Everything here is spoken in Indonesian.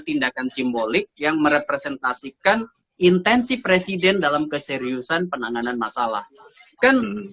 tindakan simbolik yang merepresentasikan intensi presiden dalam keseriusan penanganan masalah kan